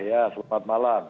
ya selamat malam